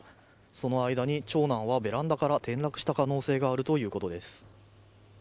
その間に長男はベランダから転落した可能性があるということです。